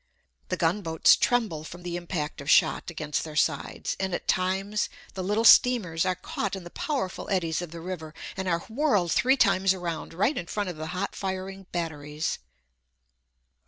The gunboats tremble from the impact of shot against their sides, and at times the little steamers are caught in the powerful eddies of the river and are whirled three times around right in front of the hot firing batteries.